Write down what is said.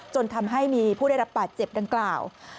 จนทำให้มีผู้ได้รับบาดเจ็บดังกล่าว